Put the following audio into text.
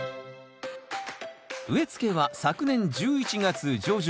植えつけは昨年１１月上旬。